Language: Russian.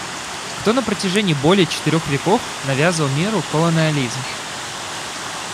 Кто на протяжении более четырех веков навязывал миру колониализм?